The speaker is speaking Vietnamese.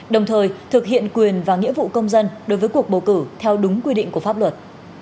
đồng thời thực hiện quyền và nghĩa vụ công dân đối với cuộc bầu cử theo đúng quy định của pháp luật